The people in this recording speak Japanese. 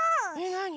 なに？